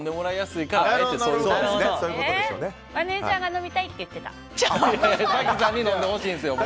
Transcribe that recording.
マネジャーが飲みたいって言ってた！